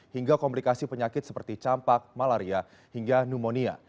hingga komplikasi penyakit seperti campak malaria hingga pneumonia